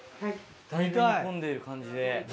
だいぶ煮込んでる感じで。